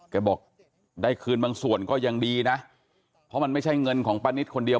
บอกได้คืนบางส่วนก็ยังดีนะเพราะมันไม่ใช่เงินของป้านิตคนเดียว